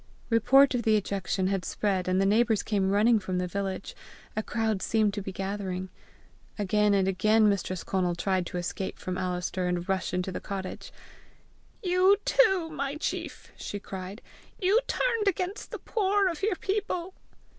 Report of the ejection had spread, and the neighbours came running from the village. A crowd seemed to be gathering. Again and again Mistress Conal tried to escape from Alister and rush into the cottage. "You too, my chief!" she cried. "You turned against the poor of your people!"